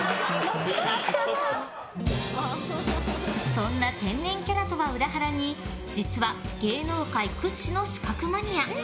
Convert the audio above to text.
そんな天然キャラとは裏腹に実は芸能界屈指の資格マニア。